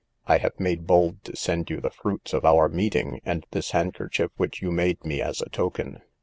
I have made bold to send you the fruits of our meeting, and this handkerchief which you made me as a token.